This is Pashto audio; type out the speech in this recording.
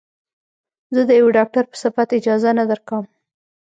زه د يوه ډاکتر په صفت اجازه نه درکم.